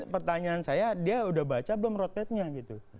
pertanyaan saya dia udah baca belum roadmapnya gitu